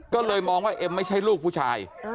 ก็เลยมองว่าเอ็มไม่ใช่ลูกผู้ชาย